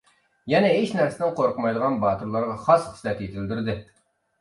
يەنە ھېچ نەرسىدىن قورقمايدىغان باتۇرلارغا خاس خىسلەت يېتىلدۈردى.